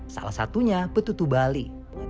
salah satunya petutu bali